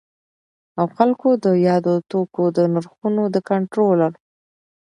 او خلګو د یادو توکو د نرخونو د کنټرول